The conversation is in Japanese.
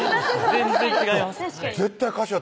全然違います